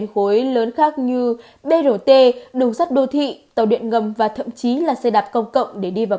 khối lớn khác như brt đường sắt đô thị tàu điện ngầm và thậm chí là xe đạp công cộng để đi vào